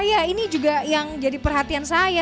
iya ini juga yang jadi perhatian saya